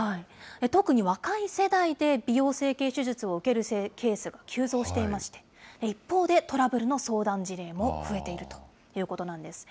特に若い世代で美容整形手術を受けるケースが急増していまして、一方で、トラブルの相談事例も増えているということなんです。